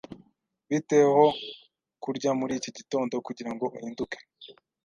Bite ho kurya muri iki gitondo kugirango uhinduke?